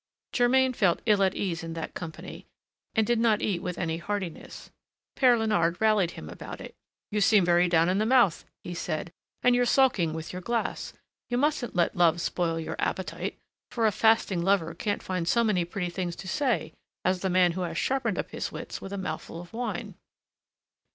Germain felt ill at ease in that company, and did not eat with any heartiness. Père Léonard rallied him about it. "You seem very down in the mouth," he said, "and you're sulking with your glass. You mustn't let love spoil your appetite, for a fasting lover can't find so many pretty things to say as the man who has sharpened up his wits with a mouthful of wine."